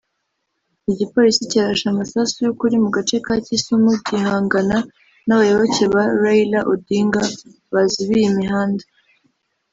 Igipolisi cyarashe amasasu y’ukuri mu gace ka Kisumu gihangana n’abayoboke ba Raila Odinga bazibiye imihanda